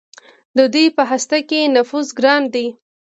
د دوی په هسته کې نفوذ ګران دی.